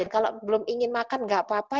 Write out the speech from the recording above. kalau belum ingin makan gak apa apa